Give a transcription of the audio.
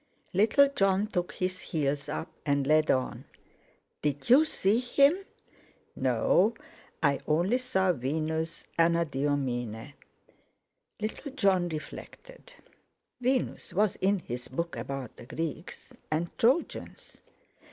Little Jon took his heels up, and led on. "Did you see him?" "No; I only saw Venus Anadyomene." Little Jon reflected; Venus was in his book about the Greeks and Trojans.